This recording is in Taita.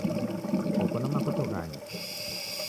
Koko na makoto ghangi?